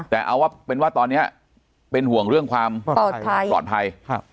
แต่เอาว่าเป็นว่าตอนนี้เป็นห่วงเรื่องความปลอดภัย